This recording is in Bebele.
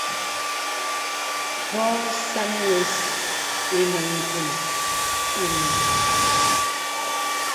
Pɔ̄ɔ̄ sàŋ wə̀s inə ngùl inùŋ.